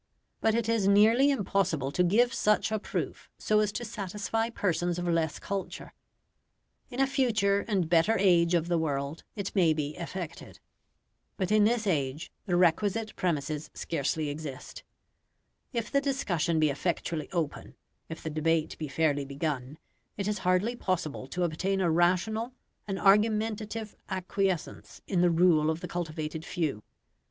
But it is nearly impossible to give such a proof so as to satisfy persons of less culture. In a future and better age of the world it may be effected; but in this age the requisite premises scarcely exist; if the discussion be effectually open, if the debate be fairly begun, it is hardly possible to obtain a rational, an argumentative acquiescence in the rule of the cultivated few.